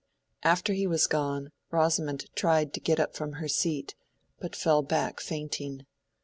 After he was gone, Rosamond tried to get up from her seat, but fell back fainting.